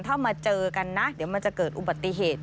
ถ้ามาเจอกันนะเดี๋ยวมันจะเกิดอุบัติเหตุ